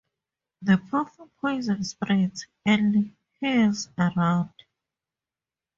The puffy poison spreads, and heaves around.